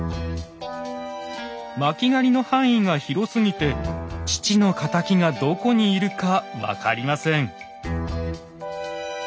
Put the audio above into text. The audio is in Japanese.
巻狩の範囲が広すぎて父の敵がどこにいるか分かりません。